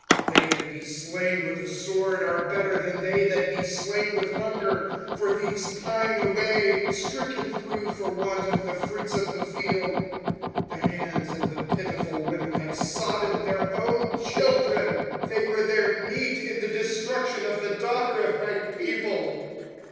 25:004:009 They that be slain with the sword are better than they that be slain with hunger: for these pine away, stricken through for want of the fruits of the field. 25:004:010 The hands of the pitiful women have sodden their own children: they were their meat in the destruction of the daughter of my people.